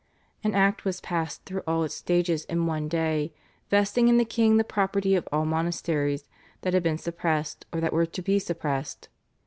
An Act was passed through all its stages in one day vesting in the king the property of all monasteries that had been suppressed or that were to be suppressed.